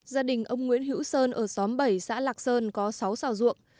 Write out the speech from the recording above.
gia đình ông nguyễn hữu sơn ở xóm bảy xã lạc sơn có sáu xào ruộng